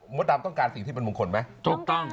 มดดำต้องการสิ่งที่มงคลไหม